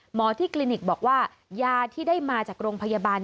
ที่คลินิกบอกว่ายาที่ได้มาจากโรงพยาบาล